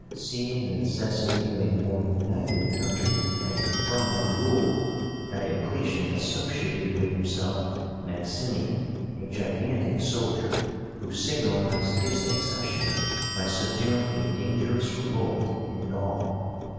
Seeing the necessity of a more united country and a firmer rule, DIOCLETIAN associated with himself MAXIMIAN, a gigantic soldier, who signalized his accession by subduing a dangerous revolt in Gaul.